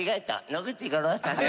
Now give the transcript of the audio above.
野口五郎さんだ。